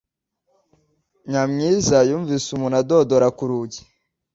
Nyamwiza yumvise umuntu adodora ku rugi.